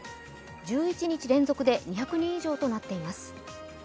１１日連続で２００人以上となっています。